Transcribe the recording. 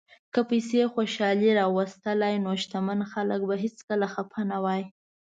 که پیسې خوشالي راوستلی، نو شتمن خلک به هیڅکله خپه نه وای.